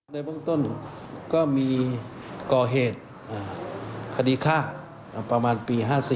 ในเบื้องต้นก็มีก่อเหตุคดีฆ่าประมาณปี๕๔